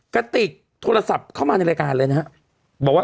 กระติกโทรศัพท์เข้ามาในรายการเลยนะครับบอกว่า